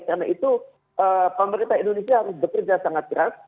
karena itu pemerintah indonesia harus bekerja sangat keras